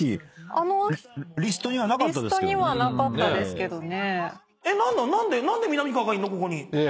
リストにはなかったですけどね。